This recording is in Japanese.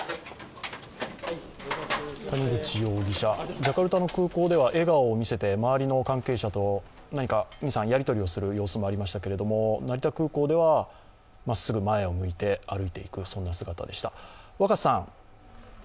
谷口容疑者、ジャカルタの空港では笑顔を見せて周りの関係者と２３やりとりをする様子がありましたが、成田空港ではまっすぐ前を向いて歩いていく、そんな姿でした。